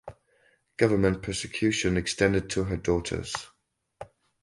Government persecution extended to her daughters.